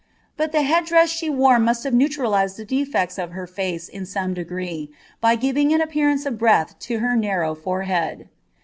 Bui the hrad drm drt wore must have neutralized the defects of her Cice in some degrM, by giving an appearance of breadth lo her narrow forehead.